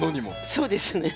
そうですね。